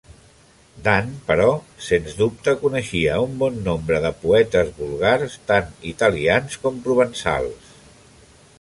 Dant, però, sens dubte coneixia un bon nombre de poetes vulgars, tant italians com provençals.